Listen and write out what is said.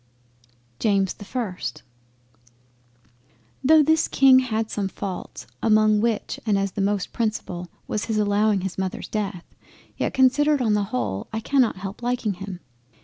JAMES the 1st Though this King had some faults, among which and as the most principal, was his allowing his Mother's death, yet considered on the whole I cannot help liking him.